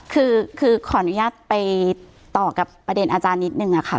คือขออนุญาตไปต่อกับประเด็นอาจารย์นิดนึงค่ะ